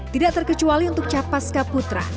tidak terkecuali untuk capaska putra